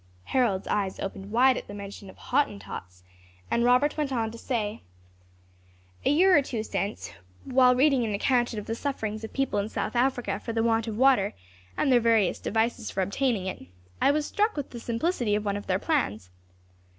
Harold's eyes opened wide at the mention of Hottentots, and Robert went on to say, "A year or two since, while reading an account of the suffering of people in South Africa for the want of water, and their various devices for obtaining it, I was struck with the simplicity of one of their plans.